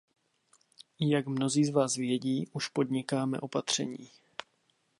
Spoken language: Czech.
Jak mnozí z vás vědí, už podnikáme opatření.